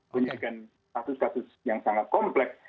penyelidikan kasus kasus yang sangat kompleks